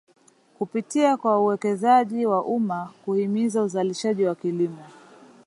Kupitia kwa uwekezaji wa umma kuhimiza uzalishaji wa kilimo